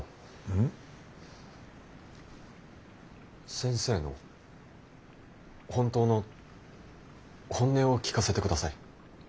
先生の本当の本音を聞かせてください。